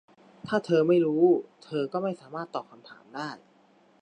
ถ้าเธอไม่รู้ เธอก็ไม่สามารถตอบคำถามได้